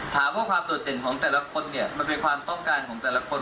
ถามว่าความโดดเด่นของแต่ละคนเนี่ยมันเป็นความต้องการของแต่ละคน